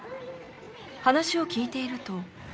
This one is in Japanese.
話を聞いていると。